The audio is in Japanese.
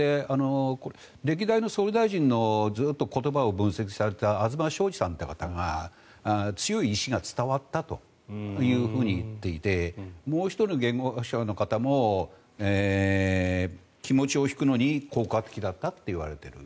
歴代の総理大臣の言葉をずっと分析された東さんという方が強い意思が伝わったと言っていてもう１人の言語学者の方も気持ちを引くのに効果的だったと言われている。